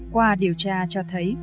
qua điều tra cho thấy